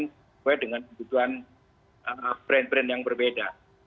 sesuai dengan kebutuhan brand brand yang berbeda